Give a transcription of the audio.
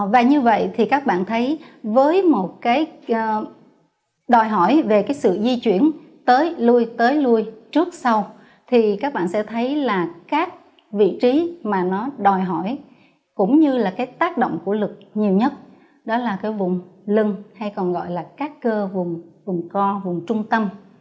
và như vậy thì các bạn thấy với một cái đòi hỏi về cái sự di chuyển tới lùi tới lùi trước sau thì các bạn sẽ thấy là các vị trí mà nó đòi hỏi cũng như là cái tác động của lực nhiều nhất đó là cái vùng lưng hay còn gọi là các cơ vùng vùng co vùng trung tâm